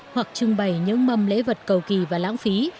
hoặc trưng bày những mâm lễ vật cầu kỳ và lãng phí